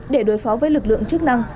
để đối phó với lực lượng chức năng